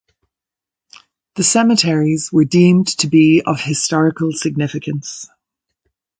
The cemeteries were deemed to be of historical significance.